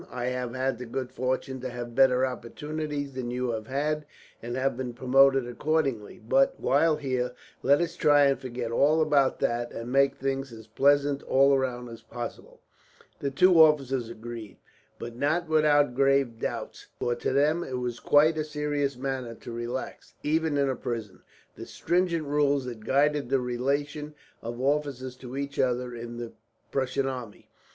I have had the good fortune to have better opportunities than you have had, and have been promoted accordingly; but while here, let us try and forget all about that, and make things as pleasant all round as possible." The two officers agreed, but not without grave doubts; for to them it was quite a serious matter to relax, even in a prison, the stringent rules that guided the relation of officers to each other in the Prussian army.